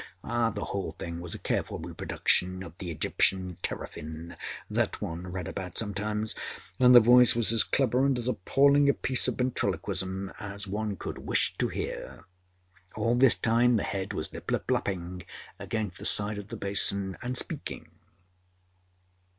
The whole thing was a careful reproduction of the Egyptian teraphin that one read about sometimes and the voice was as clever and as appalling a piece of ventriloquism as one could wish to hear. All this time the head was âlip lip lappingâ against the side of the basin, and speaking.